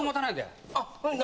あっ何？